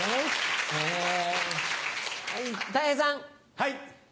はい。